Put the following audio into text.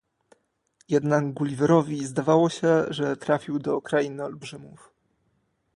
Jednak Guliwerowi zdawało się, że trafił do krainy olbrzymów